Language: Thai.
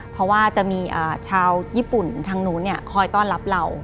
เพราะว่าจะมีชาวญี่ปุ่นทางนู้นคอยต้อนรับเรา